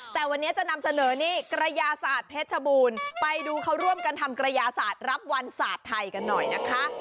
แต่วันนี้จะนำเสนอนี่กระยาศาสตร์เพชรชบูรณ์ไปดูเขาร่วมกันทำกระยาศาสตร์รับวันศาสตร์ไทยกันหน่อยนะคะ